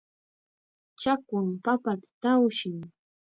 Chakwam papata tawshin.